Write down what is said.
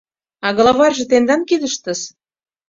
— А главарьже тендан кидыштыс.